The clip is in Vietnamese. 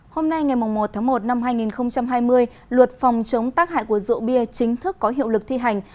hôm nay ngày một tháng một năm hai nghìn hai mươi luật phòng chống tác hại của rượu bia chính thức có hiệu lực thi hành